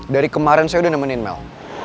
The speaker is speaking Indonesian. dari kemarin saya udah nemenin mel